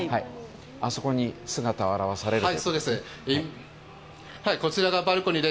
あそこに姿を現されると。